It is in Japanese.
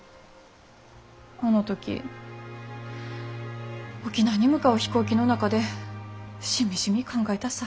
あの時沖縄に向かう飛行機の中でしみじみ考えたさ。